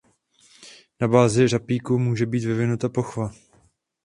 Na bázi řapíku může být vyvinuta pochva.